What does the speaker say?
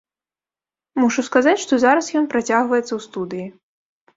Мушу сказаць, што зараз ён працягваецца ў студыі.